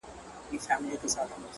خلگو شتنۍ د ټول جهان څخه راټولي كړې.